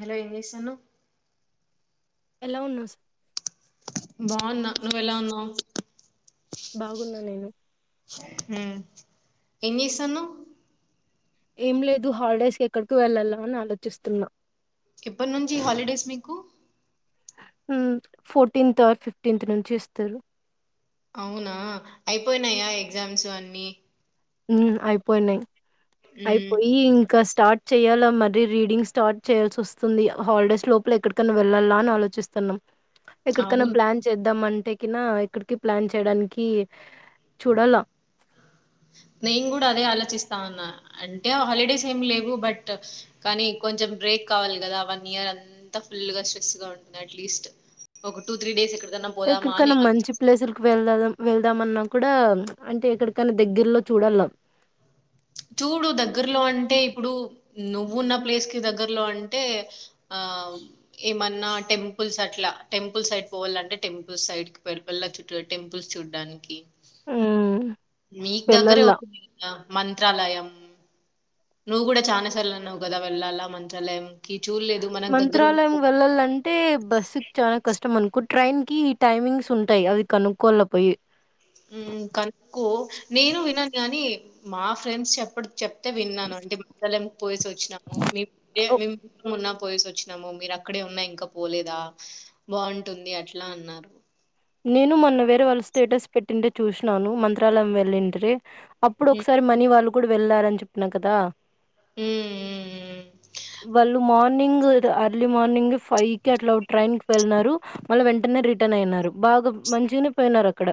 Hello ఏమ్ చేస్తుండు ఎలా ఉన్నా స్ బాన్నా నువ్వు ఎలా వున్నావ్ బాగున్నా నేను ఉ ఏం చేస్తన్నావ్ ఏం లేదు హాలిడేస్కి ఎక్కడికి వెళ్ళల అని ఆలోచిస్తున్నా ఎప్పటి నుంచి హాలిడేస్ మీకు మ్ ఉ ఫోర్టీన్త్ ఆర్ ఫిఫ్టీన్త్ నుంచి ఇస్తరు అవునా అయిపోయినాయా ఎగ్జామ్స్ అన్ని ఉ అయిపోయినయి మ్మ్ అయిపోయి ఇంకా స్టార్ట్ చేయాలా మరీ రీడింగ్ స్టార్ట్ చేయాల్సి వస్తుంది. హాలిడేస్ లోపల ఎక్కడికన్నా వెళ్ళాలా అని ఆలోచిస్తున్నాం. ఎక్కడికన్నా అవును ప్లాన్ చేద్దాం అంటే కనా ఎక్కడికి ప్లాన్ చేయడానికి చూడాల నేను కూడా అదే ఆలోచిస్తా అన్నా అంటే, హాలిడేస్ ఏమి లేవు. బట్ కానీ కొంచెం బ్రేక్ కావాలి కదా. వన్ ఇయర్ అంతా ఫుల్ గా స్ట్రెస్ గా ఉంటుంది. అట్లీస్ట్ ఒక టూ త్రీ డేస్ ఎక్కడ ఎక్కడికైనా మంచి ప్లేసులకి వెళ్దాం వెళ్దామన్నం కూడా అంటే ఎక్కడికైనా దగ్గరలో చూడల చూడు దగ్గరలో అంటే ఇప్పుడు నువ్వున్న ప్లేస్ కి, దగ్గరలో అంటే ఆ ఏమన్నా టెంపుల్స్, అట్లా టెంపుల్ సైడ్ పోవాలంటే, టెంపుల్స్ సైడ్ పల్ల చుట్ట టెంపుల్స్ చూడ్డానికి. ఉమ్, మీకు దగ్గరే వెళ్ళాల అవుతుంది కదా మన్ ఉమ్ నువ్వు కూడ చాలా సార్లు అన్నావు కదా వెళ్లాల మంచల కి మంత్రాలయం వెళ్లాలంటే బస్సుకి చాల కష్ట కష్టం అనుకో ట్రైన్ కి ఈ టైమింగ్స్ ఉంటాయి అది కనుక్కోల పోయి ఉమ్ కనుక్కో నేను విన్నాను గాని మా ఫ్రెండ్స్ చెప్పడ్ చెప్తే విన్నాను అంటే ఇప్పు ఉండలేం పోయేసి వచ్చినాము మీ ఓ మేం ఉన్నం పోయేసి వచ్చినాము మీరు అక్కడే ఉన్నా ఇంకా పోలేదా బాగుంటుంది అట్లా అన్నారు. నేను మొన్న వేరే వాళ్ళు స్టేటస్ పెట్టింటే చూసినాను మంత్రాలయం వెళ్ళింట్రి అప్పుడు హ్మ్. ఒకసారి మనీ వాళ్ళు కూడా వెళ్ళారని చెప్పిన కదా హ్మ్. హ్మ్. హ్మ్. వాళ్ళు మోన్ మార్నింగ్ అర్లీ మార్నింగ్ ఫైవ్ కి అట్లా ట్రైన్ కి వెళ్ళినారు. మళ్ళ వెంటనే రిటర్న్ అయినారు. బాగా మంచిగనే పోయినారు అక్కడ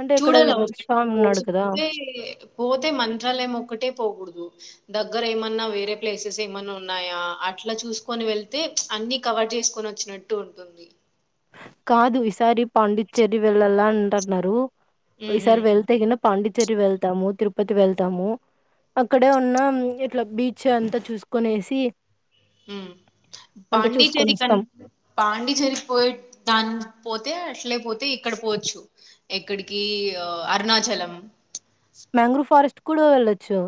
అంటే ఇక్కడ చూడాలవు స్వామి ఉన్నాడు కదా పోతే పోతే మంత్రాలయం ఒక్కటే పోకూడదు దగ్గర ఏమన్నా వేరే ప్లేసెస్ ఏమైన ఉన్నాయా, అట్లా చూసుకొని వెళ్తే అన్ని కవర్ చేసుకొని, వచ్చినట్టు ఉంటుంది. కాదు ఈసారి పాండిచ్చేరి వెళ్ళాల అంటన్నారు ఈ హుహు. సారి వెళ్తే కనా పాండిచ్చేరి వెళ్తాము తిరుపతి వెళ్తాము అక్కడే ఉన్న ఇట్లా బీచ్ అంతా చూసుకునేసి ఉమ్ చూసుకొని పాండిచ్చేరి కన్ వస్తాం పాండిచ్చేరి పోయి దాని పోతే అట్లే పోతే ఇక్కడ పోవచ్చు ఎక్కడికి అరుణాచలం మ్యాంగ్రూవ్ ఫారెస్ట్ కూడా వెళ్లొచ్చు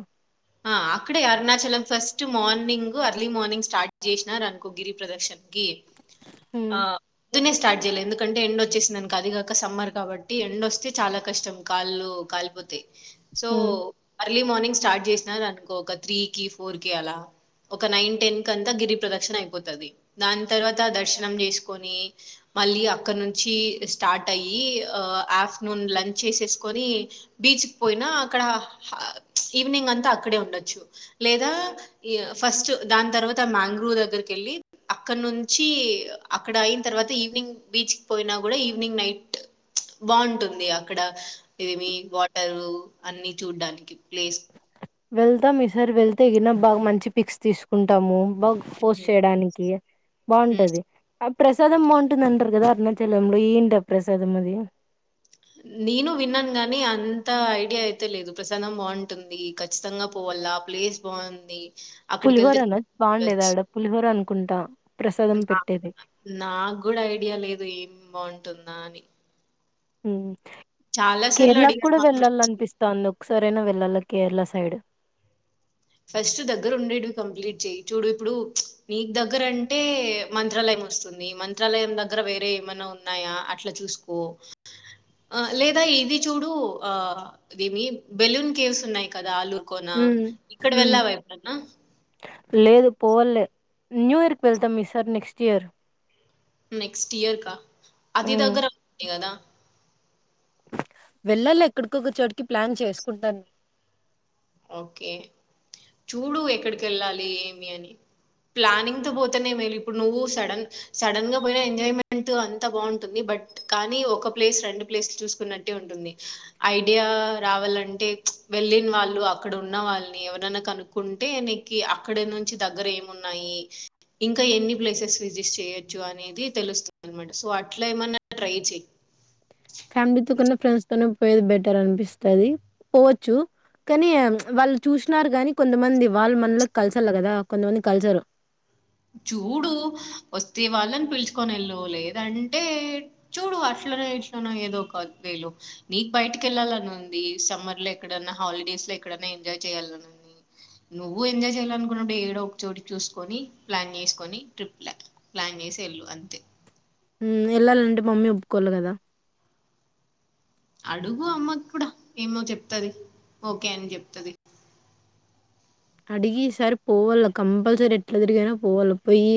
ఆ అక్కడే Arunachalam first morning early morning start చేసినారు అనుకో గిరి ప్రదక్షన్ గీ ఆ ద్దున్నే స్టార్ట్ చేయలే ఎందుకంటే ఎండ వచ్చేసింది అనుకో అది కాక సమ్మర్ కాబట్టి ఎండ్ వస్తే చాలా కష్టం కాళ్ళు కాలిపోతయ్. So um early morning start చేసి నదుకో ఒక త్రీ కి ఫోర్ కి అలా ఒక నైన్ టెన్ కి అంతా గిరి ప్రదక్షిణ అయిపోతది, దాని తర్వాత దర్శనం చేసుకొని మళ్ళీ అక్కడ నుంచి స్టార్ట్ అయి వ్ ఆఫ్టర్నూన్ లంచ్ చేసేసుకని బీచ్ పోయినా అక్కడ ఈవినింగ్ అంత. అక్కడే ఉండొచ్చు లేదా ఎ ఫస్ట్ దాని తర్వాత మ్యాంగ్రోవ్ దగ్గరకి వెళ్ళి అక్కడ నుంచి అక్కడ అయిన తర్వాత ఈవినింగ్ బీచ్ కి పోయినా కూడా ఈవినింగ్ నైట్ ప్చ్ బాగుంటుంది అక్కడ ఏమి వాటర్ అన్ని చూడ్డానికి ప్లేస్. వెళ్తాం ఈ సార్ వెళ్తేగిన బాగా మంచి పిక్స్ తీసుకుంటాము బాగ్ ఉ పోస్ట్ చేయడానికి ఉమ్. బాగుంటది ప్రసాదం బాగుంటుంది అంటారు కదా అరుణాచలంలో ఏంటి ఆ ప్రసాదం అది నేను విన్నాను గాని అంత ఐడియా అయితే లేదు ప్రసాదం బాగుంటుంది ఖచ్చితంగా పోవల్లా ప్లేస్ బాగుంది. అక్కడికి వెళ్తే పులిహోరన చూడొచ్చు బాగుండేదడా పులిహోర అనుకుంటా ప్రసాదం నా పెట్టేది. ఉంటుందా అని మ్మ్ హ్ చాలా సార్లు అడిగాను కేరళక్కూడా మా వెళ్ళాల ఫ్రెండ్స్ అనిపిస్తాందో ఒకసరైనా వెళ్ళాలా కేరళ సైడ్ ఫస్ట్ దగ్గర ఉండేట్వి కంప్లీట్ చెయి చూడు ఇప్పుడు నీకు దగ్గర అంటే మంత్రాలయం వస్తుంది. మంత్రాలయం దగ్గర వేరే ఏమైనా ఉన్నాయా అట్లా చూసుకో, ఆ లేదా ఇది చూడు ఆ ఇదేమి బెలూన్ కేవ్స్ ఉన్నాయి కదా అలూన్ కోనా ఉమ్ ఇప్పుడ్ ఉమ్ వెళ్లావ ఎప్పుడన్న లేదు పోవాలి న్యూ ఇయర్ కి వెళ్తాం ఈసార్ నెక్స్ట్ ఇయర్ నెక్స్ట్ ఇయర్ కా అది ఉమ్. దగ్గర ఉంది కదా వెళ్ళాల ఎక్కడికొక చోటికి ప్లాన్ చేసుకుంటాను. ఓకే చూడు ఎక్కడికి వెళ్ళాలి ఏమి అని ప్లానింగ్తో పోతేనే మెల్లిప్పుడు నువ్వు సడన్ సడన్ గా పోయిన ఎంజాయ్మెంట్ అంతా బాగుంటుంది బట్ కానీ, ఒక ప్లేస్ రెండు ప్లేస్లు చూసుకున్నట్టే ఉంటుంది. ఐడియా రావాలంటే ప్చ్ వెళ్ళిన వాళ్ళు అక్కడ ఉన్న వాళ్ళని ఎవరనా కనుక్కుంటే నీకి అక్కడ నుంచి దగ్గర ఏమున్నాయి, ఇంకా ఎన్ని ప్లేసెస్ విజిట్ చేయొచ్చు. అనేది తెలుస్తుంది అన్నమాట, సో అట్లా ఏమన్నా ట్రై చెయి ఫ్యామిలీతో కన్నా ఫ్రెండ్స్ తోనే పోయేది బెటర్ అనిపిస్తాది. పోవచ్చు కానీ ప్చ్ వాళ్ళు చూసినారు గనీ, కొంతమంది వాళ్ళు మనలోకి కల్సాల కదా కొంతమంది కల్సారు. చూడు వస్తే వాళ్ళని పిలుచుకొని వెళ్లు. లేదంటే చూడు అట్లనో ఇట్లోనో ఏదో ఒక వేలు నీకు బయటకి వెళ్ళాలని ఉంది. సమ్మర్ లో ఎక్కడన్నా హాలిడేస్ లో ఎక్కడన్నా ఎంజాయ్ చేయాలని ఉంది. నువ్వు ఎంజాయ్ చేయాలనుకున్నడు ఏడో ఒక చోటి చూసుకొని ప్లాన్ చేసుకొని ట్రిప్ లా ప్లాన్ చేసి వెళ్ళు అంతే ఉమ్ వెళ్ళాలంటే మమ్మీ ఒప్పుకోవాలి కదా అడుగు అమ్మ కూడా ఏమో చెప్తది ఓకే అని చెప్తాది. అడిగి ఈసార్ పోవాలి కంపల్సరీ ఎట్లా తిరిగైనా పోవాలి పోయి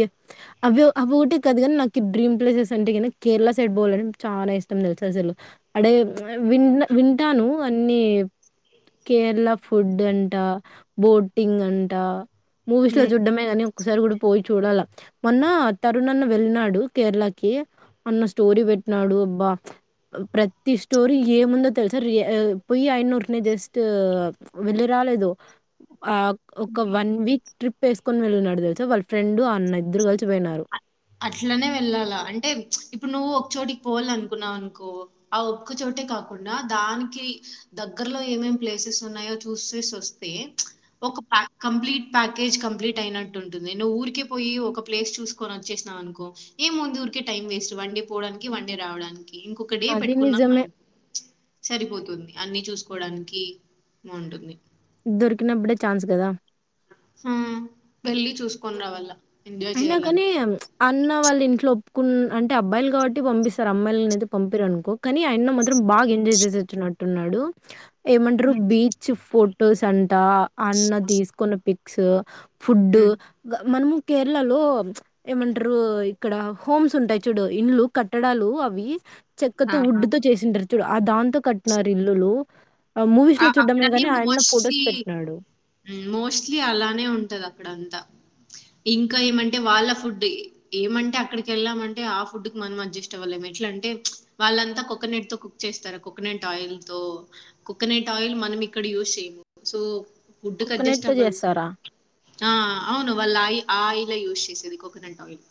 అవి అవి ఒకటి కదు కానీ నాకు డ్రీమ్ ప్లేసెస్ అంటే గన కేరళ సైడ్ పోవాలంట చాలా ఇష్టం తెలుసా అసలు అడే వి వింటాను అన్ని కేరళ ఫుడ్ అంట బోట్ బోటింగ్ అంటా మూవీస్ లో చుడ్డమే గానీ ఒకసారి కూడా పోయి చూడాల మొన్న తరుణన్న వెళ్ళినాడు కేరళకి అన్న స్టోరీ పెట్టినాడు అబ్బా ప్రతి స్టోరీ ఏముందో తెలుసా రి పోయి ఆయన ఊరినే జస్ట్ వెళ్ళి రాలేదు ఆ ఒక వన్ వీక్ ట్రిప్ వేసుకొని వెళ్ళినడు తెలుసా వాళ్ళ ఫ్రెండ్ఆ అన్న ఇద్దరు కలిసిపోయినారు అట్లనే వెళ్ళాలా అంటే ఇప్పుడు నువ్వు ఒకచోటికి పోవాల అనుకున్నావు అనుకో ఆ ఒక్కచోటే కాకుండా దానికి దగ్గరలో ఏమేం ప్లేసెస్ ఉన్నాయో చూసేసి వస్తే ఒక ప కంప్లీట్ ప్యాకేజ్ కంప్లీట్ అయినట్టుంటుంది నువ్వు ఊరికే పోయి ఒక ప్లేస్ చూసుకోని వ వచ్చేసినావనుకో ఏముంది ఊరికే టైం వేస్ట్ వన్డే పోవడానికి వన్డే రావడానికి ఇంకొక డే అది పెట్టుకున్నాం నిజమే. అన్న ప్చ్ సరిపోద్ ఉంది అన్ని చూసుకోడానికి బాగుంటుంది దొరికినప్పుడే ఛాన్స్ కదా హ వెళ్ళి చూస్కోని రావాలా ఎంజాయ్ అయినా చేయాలని కాని ప్చ్ అన్న వాళ్ళ ఇంట్లో కున్ అంటే అబ్బాయి కాబట్టి పంపిస్తారు అమ్మాయిలు అతే పంపిరు అనుకో కానీ ఆయన మొత్తం రం బాగా ఎంజాయ్ జేసేచ్చునాడ్ టున్నాడు ఏమంట్రూ ఉమ్, బీచ్ ఫ్రూట్ టు సన్ ట అన్న తీస్కుని పిక్స్ ఫుడ్ ఉమ్, గ మనము కేరళలో ఏమంటారు ఇక్కడ హోమ్స్ ఉంటాయి చూడు ఇండ్లు కట్టడాలు అవి చెక్కతో ఆహా. ఉడ్డుతో చేసిండ్రి చూడు ఆ దాంతో కట్టినారు ఇల్లులు ఆహ్, ఆ మూవీస్‌లో చూడడమే అక్కడది గానీ ఆయన్న ఫోటోస్ మోస్లీ పెట్టినాడు. ఉమ్ మోస్ట్లీ అలానే ఉంటది అక్కడంతా ఇంకా ఏమంటే వాళ్ళ ఫుడ్ ఏమంటే అక్కడికెళ్ళామంటే ఆ ఫుడ్ కి మనం అడ్జస్ట్ అవ్వలేము ఎట్లంటే వాళ్ళంతా కోకోనట్ తో కుక్ చేస్తారా కోకనెట్ ఆయిల్ తో కు కోనట్ ఆయిల్ మనం ఇక్కడ యూస్ చేయము సో ఫుడ్డుకు అడ్జెస్ట్ కోకోనట్‌తో అవ్వాలి చేస్తారా? ఆ అవును వాళ్ళు ఆయి ఆ ఆయిలే యూజ్ చేసేది కోకోనట్ ఆయిల్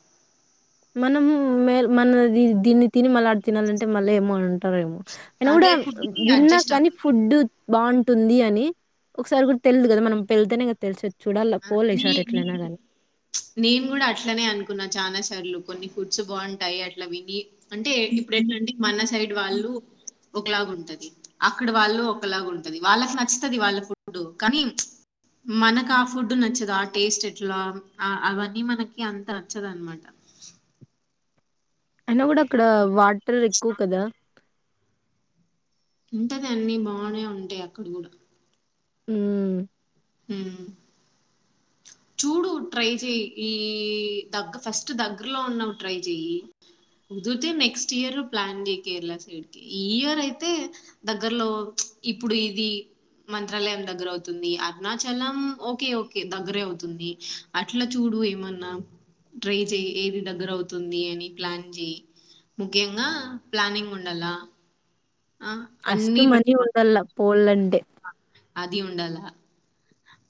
మనము మేర్ మనది దీన్ని తిని మళ్ళ ఆడ తినాలంటే మళ్ళీ ఏమో అన్ టారేమో అయినా కూడా అదే ఫుడ్‌కి విన్నా అడ్జస్ట్ కానీ అవ్వాలి. ఫుడ్ బావుంటుంది అని ఒకసారి కూడా తెల్దు గదా మనం పెళ్తేనే కదా తెల్సే ఆ నీ నీ నేను కూడా అట్లనే అనుకున్నా చానా సార్లు కొన్ని ఫుడ్స్ బావుంటాయి అట్లా విని అంటే ఇప్పుడు ఏంటంటే మన సైడ్ వాళ్ళు ఒకలాగుంటది అక్కడ వాళ్ళు ఒకలాగుటది వాళ్ళకి నచ్చుతుది వాళ్ళ ఫుడ్డు కానీ మనకా ఫుడ్డు నచ్చదు ఆ టేస్ట్ ఎట్లా ఆ అవన్నీ మనకి అంత నచ్చదు అన్నమాట అయినా కూడా అక్కడ వాటర్ ఎక్కువ కదా ఉంటది అన్నీ బానే ఉంటాయి అక్కడ గూడా ఊ హ్మ్ చూడు ట్రై చెయి ఈ దగ్గ ఫస్ట్ దగ్గరలో ఉన్నవి ట్రై చేయి కుదిరితే నెక్స్ట్ ఇయర్ ప్లాన్ చేయ్యి కేరళ సైడ్ కి ఈ ఇయర్ అయితే దగ్గరలో ఇప్పుడు ఇది మంత్రాలయం దగ్గర అవుతుంది అరుణా చలం ఓకే ఓకే దగ్గరే అవుతుంది అట్ల చూడు ఏమన్నా ట్రై చెయి ఏది దగ్గర అవుతుంది అని ప్లాన్ చెయి ముఖ్యంగా ప్లానింగ్ ఉండాల ఫస్టు మనీ ఉండాల పోల్లంటే అది ఉండాల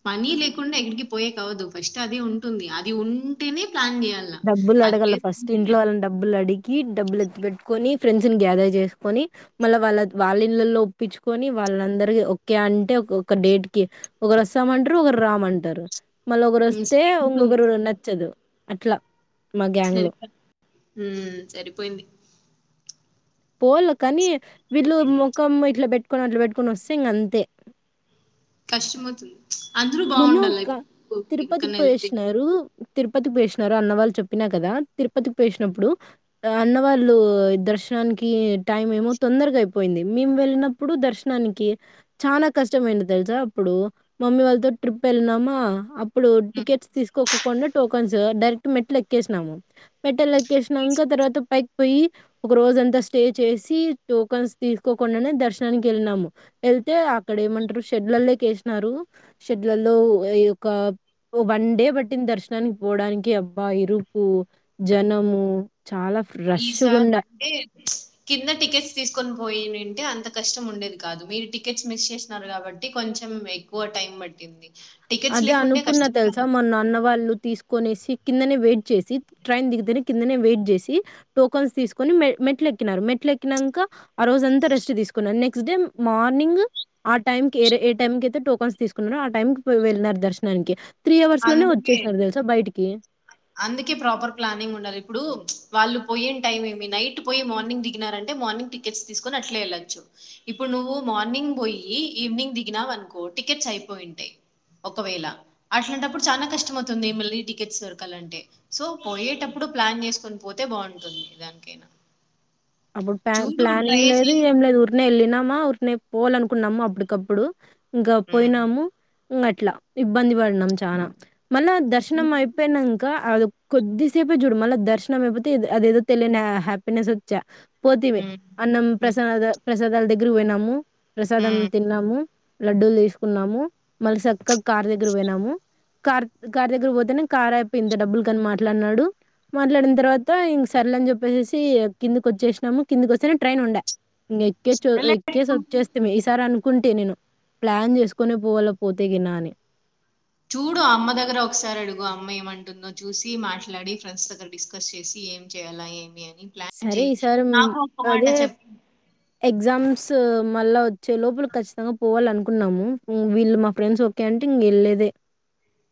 మనీ లేకుండా ఎక్కడికి పోయేకి అవ్వదు ఫస్ట్ అది ఉంటుంది అది ఉంటేనే ప్లాన్ జేయాల. డబ్బులు అది అడగల ఫస్ట్ లేదంటే ఇంట్లో వాళ్ళని డబ్బులు అడిగి డబ్బులు ఎత్తు పెట్టుకొని ఫ్రెండ్స్ ని గ్యాదర్ చేసుకొని మళ్ళ వాళ్ళ వాళ్ళ ఇళ్ళలో ఒప్పించుకొని వాళ్ళందరిక ఒకే అంటేక్క డేట్ కి ఒకరు వస్తాం అంటారు ఒకరు రామ్ంటారు మల ఒకరు హ్మ్. వస్తే సరిపోతుంది. ఇంకొకరికి నచ్చదు అట్ల సరి హుమ్ సరిపోయింది పోలు కనీ వీళ్ళు ముఖం ఇట్లా పెట్ కొని అట్ల పెట్టుకొని వస్తే ఇంక అంతే కష్టమౌతుంది మొన్న అక్క తిరుపతికి ఎక్కడికన్నా ఎళ్తే. పోయేసినారు తిరుపతికి పోసినారు అన్నవాళ్ళు చెప్పినా కదా తిరుపతికి పోసినప్పుడు అన్న వాళ్ళు దర్శనానికి టైం ఏమో తొందరగా అయిపోయింది మేము వెళ్ళినప్పుడు దర్శనానికి చాలా కష్టమయింది తెలుసా అప్పుడు మమ్మీ వాళ్ళతో ట్రిప్పెల్లినమ ఇప్పుడు హ్మ్. టికెట్స్ తీసుకోకకుండా టో కొంచ డైరెక్ట్ మెట్లు ఎక్కేసినాము పెట్టే ఏకేశినకా తర్వాత పైక్ పోయి ఒక రోజ అంతా స్టే చేసి టోకన్స్ తీసుకోకుండానే దర్శనానికి వెళ్ళినాము వెళ్తే అక్కడ ఏమంటారు షెడ్లల్లోక వేసినారు షట్లలో ఈయొక్క వన్ డే పట్టిన దర్శనానికి పోవడానికి అబ్బా ఇరుకు జనము చాలా ఈసార్ రష్‌గుండె. అంటే కింద టికెట్స్ తీసుకొని పోయి నండి అంటే అంత కష్టం ఉండేది కాదు మీరు టికెట్స్ మిస్ చేసినారు కాబట్టి కొంచెం ఎక్కువ టైం పట్టింది టికెట్స్ అదే లేకుంటే అనుకున్న కష్టంగా తెలుసా మా నాన్న వాళ్ళు తీసుకూనేసి కిందనే వెయిట్ చేసి ట్రైన్ దకుతే కన్నందనే వయిట్ చేసి టోకన్స్ తీసుకొని మ మెట్ల ఎక్కినారు మెట్లు ఎకినాక ఆ రోజ అంత రెస్ట్ తీసుకున్నారు నెక్ట్ నెక్స్ట్ డే మార్నింగ్ ఆ టై ఏ టైమ్తే ట బన్ తీసుకున్నారు ఆ టైకి వెళ్ళినారు దర్శనానికి త్రీ అవర్స్ లోనే అందుకే వచ్చేసారు తెలుసా బయటికి కి అందుకే ప్రాపర్ ప్లానింగ్ ఉండాలి ఇప్పుడు వాళ్ళు పోయన టైం ఏమి నైట్ పోయి మార్నింగ్ దిగినారంటే మార్నింగ్ టికెట్స్ తీసుకొని అట్లే వెళ్ళచ్చు ఇప్పుడు నువ్వు మార్నింగ్ పోయి ఈవినింగ్ దిగినావ అనుకో టికెట్స్ అయిపోయింటాయి ఒకవేళ అట్లాంటప్పుడు చాలా కష్టం అవుతుంది మళీ టికెట్స్ డోరక క్కలంటే సో పోయేటప్పుడు ప్లాన్ చేసుకొని పోతే బాగుంటుంది దానికైనా అప్పుడు ప చూడు ట్రై ప్లానింగ్ లేదు చేయి ఏం లేదు ఊరినే వెళ్ళినామా ఊరినే పోవాలనుకున్నామ అప్పటికప్పుడు ఇంకా ఉమ్. పోయినాముట్ అట్లా ఇబ్బంది పడినాం చనా మన దర్శనం అయిపోయినంక అ కొద్దిసేపే చూడు మళ్ళీ దర్శనం అయిపోతే అదేదో తెలియని హ్యాపీనెస్ పోతివే ఉమ్. అన్నం ఉమ్. ప్రసా ప్రసాదల్ దగ దగ్గరు పోనాము ప్రసాదం తిన్నాము లడ్డూలు తీసుకున్నాము మళ్ళీ సక్కగ కారుదగ్ దగ్గర పోయినాము కార్ కార్ దగ్గర పోతేనే కార్ అయిపు ఇంత డబ్బులు కని మాట్లాడినాడు మాట్లాడిన తర్వాత ఇంక సర్లే అని చెప్పేసేసి కిందకి వచ్చేసినాము కిందకి వస్తేనే ట్రైన్ ఉండే ఎక్కేసి చ ఎక్కేసి ఉమ్. వచ్చేస్తిమి ఈ సారి అను అనుకుంటే నేను ప్లాన్ చేసుకునే పోవల పోతే గిన్నా అని చూడు అమ్మ దగ్గర ఒకసారి అడుగు అమ్మ ఏమంటుందో చూసి మాట్లాడి ఫ్రెండ్స్ దగ్గర డిస్కస్ చేసి ఏం చేయ్యాలా ఏమి అని ప్లాన్ సరే చెయ్యి ఈసారి మ్మ్ నాకు ఒక మాట అదే చెప్పు ఎగ్జామ్స్ మళ్ళా వచ్చే లోపల ఖచ్చితంగా పోవాల అనుకున్నాము వీళ్ళు మా ఫ్రెండ్స్ ఓకే అంటే ఇంకెళ్ళేదే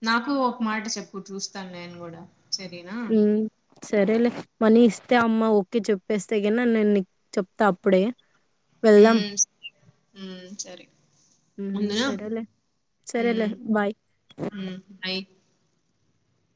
నాకు ఒక మాట చెప్పు చూస్తాను నేను కూడా సరేనా సరే లే మనీ ఇస్తే అమ్మ ఓకే చెప్పేస్తే నీ నేను చెప్తా అప్పుడే వెళ్దాం ఉమ్, ఉమ్, సరే ఉందినా సరే లే సరేలే ఉమ్, బాయ్ ఉమ్, బై